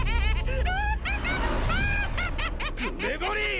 グレゴリー⁉